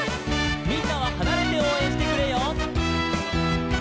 「みんなははなれておうえんしてくれよ」